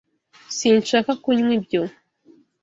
Sinshaka kunywa ibyo